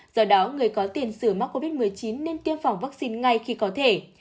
do đó người có tiền sử mắc covid một mươi chín nên tiêm phòng vaccine ngay khi có thể